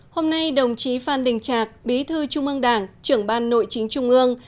hôm nay đồng chí phan đình trạc bí thư trung ương đảng trưởng ban nội chính trung ương